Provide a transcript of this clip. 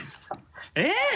えっ！